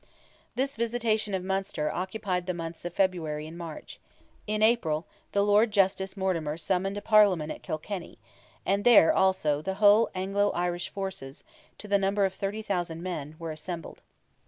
This visitation of Munster occupied the months of February and March. In April, the Lord Justice Mortimer summoned a Parliament at Kilkenny, and there, also, the whole Anglo Irish forces, to the number of 30,000 men, were assembled.